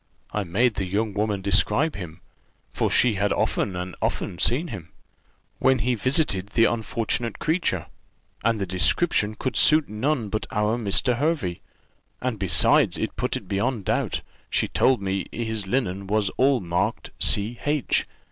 I made the young woman describe him, for she had often and often seen him, when he visited the unfortunate creature; and the description could suit none but our Mr. Hervey, and besides it put it beyond a doubt, she told me his linen was all marked C. H.